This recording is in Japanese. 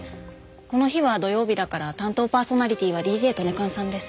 この日は土曜日だから担当パーソナリティーはＤＪＴＯＮＥＫＡＮさんです。